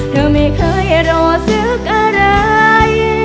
เธอไม่เคยรอซื้ออะไร